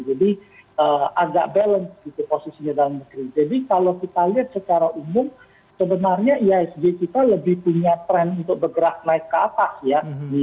jadi kalau kita lihat secara umum sebenarnya iasg kita lebih punya trend untuk bergerak naik ke atas ya